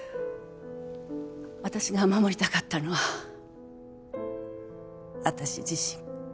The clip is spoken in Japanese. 私が守りたかったのは私自身。